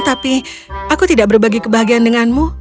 tapi aku tidak berbagi kebahagiaan denganmu